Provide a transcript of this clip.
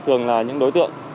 thường là những đối tượng